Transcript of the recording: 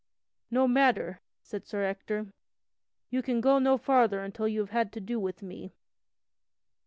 "No matter," said Sir Ector, "you can go no farther until you have had to do with me."